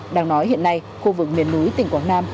đang nói hiện nay khu vực miền núi tỉnh quảng nam